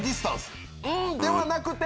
ではなくて。